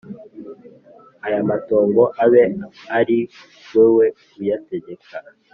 aya matongo abe ari wowe uyategeka!»